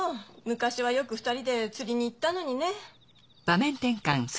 昔はよく２人で釣りに行ったのにね。